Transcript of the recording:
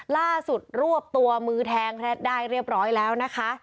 ล่าสุดรวบตัวมือแทงแทดได้เรียบร้อยแล้วนะคะ